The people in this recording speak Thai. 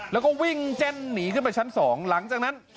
แล้วก็วิ่งเจ้นหนีขึ้นไปชั้น๒หลังจากนั้น